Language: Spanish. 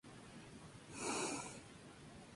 Simmons, James D'Arcy y Toby Jones.